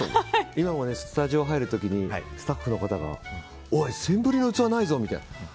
今もスタジオに入る時にスタッフの方がおい、センブリの器ないぞって。